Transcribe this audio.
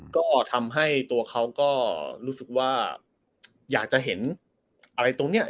ก็ทำให้ตัวเขาก็รู้สึกว่าอยากจะเห็นอะไรตรงนี้